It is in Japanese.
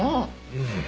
うん。